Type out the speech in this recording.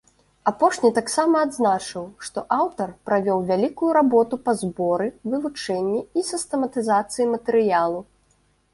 Апошні таксама адзначыў, што аўтар правёў вялікую работу па зборы, вывучэнні і сістэматызацыі матэрыялу.